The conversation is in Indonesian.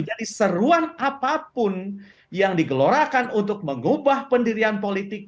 jadi seruan apapun yang digelorakan untuk mengubah pendirian politik